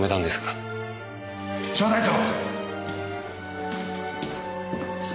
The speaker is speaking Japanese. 小隊長！